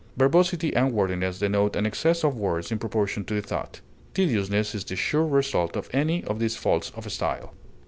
Verbosity and wordiness denote an excess of words in proportion to the thought. Tediousness is the sure result of any of these faults of style.